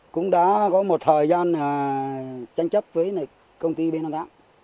cũng đã có một thời gian tranh chấp với công ty bnđ